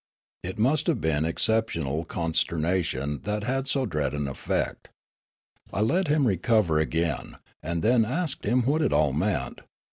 It must have been exceptional con sternation that had so dread an effect. I let him re cover again, and then asked him what it all meant.